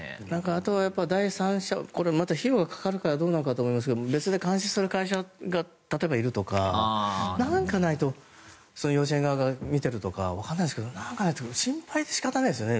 あとは第三者また費用がかかるからどうなのかなと思いますが別で監視する会社が例えばいるとか、何かないと幼稚園側が見ているとかわからないですけど心配で仕方ないですね